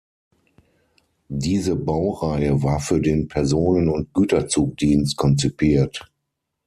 Diese Baureihe war für den Personen- und Güterzugdienst konzipiert.